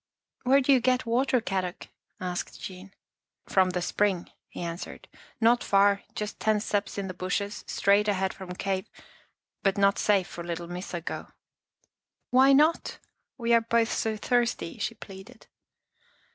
" Where do you get water, Kadok? " asked Jean. " From the spring," he answered. " Not far, just ten steps in the bushes, straight ahead from cave, but not safe for little Missa go." 1 Small animal. Housekeeping in a Cave 105 "Why not? We are both so thirsty," she pleaded.